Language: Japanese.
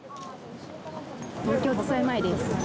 東京地裁前です。